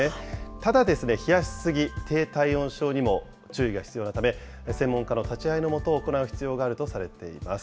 ただ、冷やし過ぎ、低体温症にも注意が必要なため、専門家の立会いの下、行う必要があるとされています。